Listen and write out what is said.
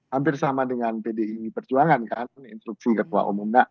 hampir sama dengan pdi perjuangan kan instruksi ketua umum